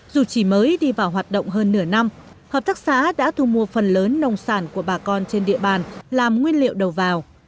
dù chỉ mới đi vào hoạt động hơn nửa năm hợp tác xã đã thu mua phần lớn nông sản của bà con trên địa bàn làm nguyên liệu đầu vào